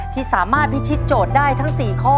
ที่สามารถพิชิตโจทย์ได้ทั้ง๔ข้อ